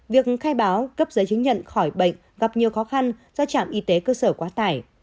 việc khai báo cấp giấy chứng nhận khỏi bệnh gặp nhiều khó khăn do trạm y tế cơ sở quá tải